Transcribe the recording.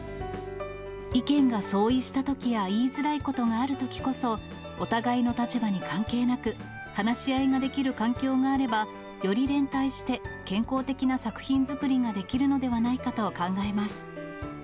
意見が相違したときや言いづらいことがあるときこそ、お互いの立場に関係なく、話し合いができる環境があれば、より連帯して健康的な作品作りができるのではないかと考えます。